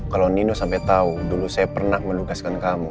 kalau nino sampai tahu dulu saya pernah menugaskan kamu